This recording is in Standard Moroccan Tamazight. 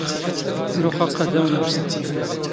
ⵔⵓⵅⴰ ⵇⴰⴷ ⴰⵡⵏ ⴰⵡⵙⵖ.